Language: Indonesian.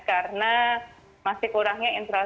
karena masih kurangnya internet